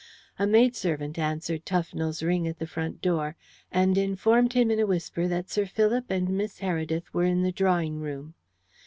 A maidservant answered Tufnell's ring at the front door, and informed him in a whisper that Sir Philip and Miss Heredith were in the drawing room.